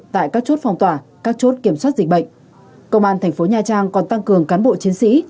tại các chốt phòng tỏa các chốt kiểm soát dịch bệnh công an thành phố nha trang còn tăng cường cán bộ chiến sĩ